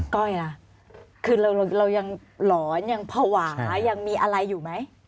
ก้อยล่ะคือเรายังหลอนยังภาวะยังมีอะไรอยู่ไหม